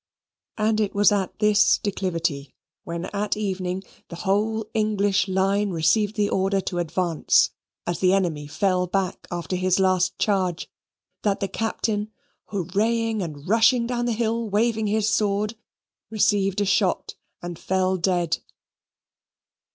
And it was at this declivity when at evening the whole English line received the order to advance, as the enemy fell back after his last charge, that the Captain, hurraying and rushing down the hill waving his sword, received a shot and fell dead.